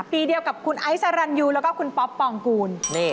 ปีเดียวกับคุณไอซ์สรรยูแล้วก็คุณป๊อปปองกูล